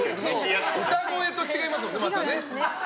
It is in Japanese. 歌声と違いますもんね、またね。